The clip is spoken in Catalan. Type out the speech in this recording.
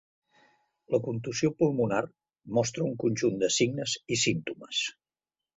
La contusió pulmonar mostra un conjunt de signes i símptomes.